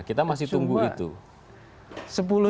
kita masih tunggu itu